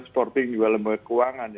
supporting juga lembaga keuangan